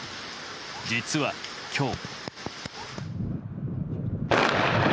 実は今日。